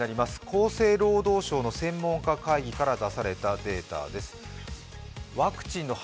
厚生労働省の専門家会議から出されたデータです。